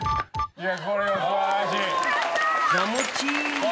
いや。